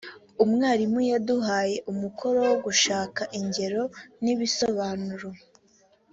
umwarimu yaduhaye umukoro wo gushaka ingero n ibisobanuro